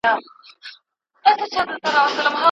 علمي څېړنه او کره کتنه کټ مټ سره ورته شیان نه دي.